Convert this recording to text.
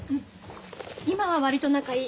今は割と仲いい。